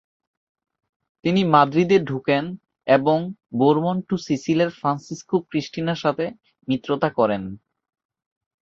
তিনি মাদ্রিদে ঢোকেন এবং Bourbon-two সিসিলের Francisco ক্রিস্টিনার সাথে মিত্রতা করেন।